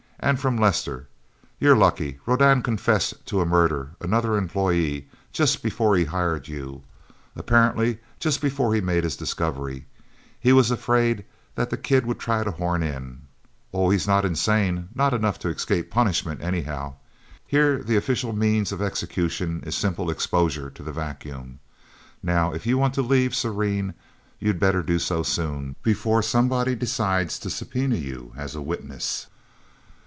"And from Lester. You're lucky. Rodan confessed to a murder another employee just before he hired you. Apparently just before he made his discovery. He was afraid that the kid would try to horn in. Oh, he's not insane not enough to escape punishment, anyhow. Here the official means of execution is simple exposure to the vacuum. Now, if you want to leave Serene, you'd better do so soon, before somebody decides to subpoena you as a witness..."